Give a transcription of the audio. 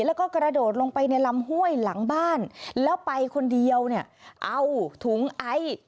แล้วก็กระโดดลงไปในลำห้วยหลังบ้านแล้วไปคนเดียวเนี่ยเอาถุงไอ